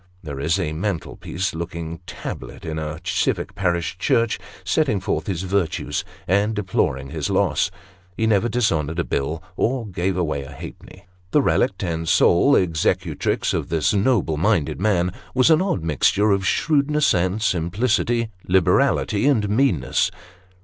There is a mantelpiece looking tablet in a civic parish church, setting forth his virtues, and deploring his loss. He never dishonoured a bill, or gave away a half penny. The relict and sole executrix of this noble minded man was an odd mixture of shrewdness and simplicity, liberality and meanness.